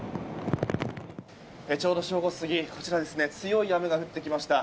ちょうど正午過ぎ強い雨が降ってきました。